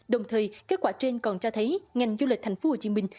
đồng thời kết quả trên còn cho thấy ngành du lịch thành phố hồ chí minh